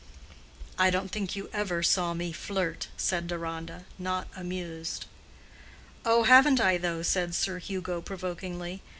"I don't think you ever saw me flirt," said Deronda, not amused. "Oh, haven't I, though?" said Sir Hugo, provokingly.